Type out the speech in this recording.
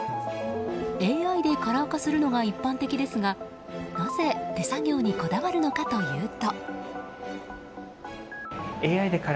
ＡＩでカラー化するのが一般的ですがなぜ、手作業にこだわるのかというと。